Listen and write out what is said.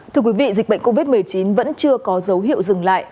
thưa quý vị dịch bệnh covid một mươi chín vẫn chưa có dấu hiệu dừng lại